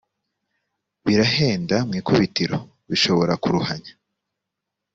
burahenda mw ikubitiro bishobora kuruhanya